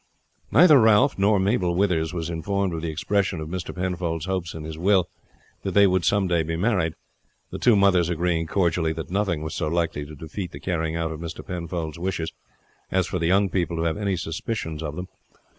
Neither Ralph nor Mabel Withers was informed of the expression of Mr. Penfold's hopes in his will that they would some day be married, the two mothers agreeing cordially that nothing was so likely to defeat the carrying out of Mr. Penfold's wishes as for the young people to have any suspicions of them.